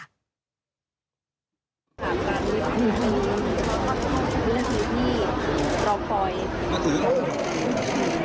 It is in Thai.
นี่ครับจะเจอคุณพ่อ